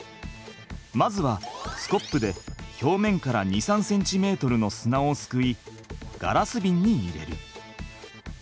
まずはスコップで表面から２３センチメートルの砂をすくいガラスビンに入れる。